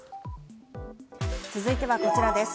続いては、こちらです。